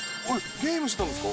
ゲームしてたんですか。